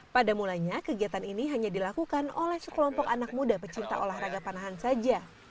pada mulanya kegiatan ini hanya dilakukan oleh sekelompok anak muda pecinta olahraga panahan saja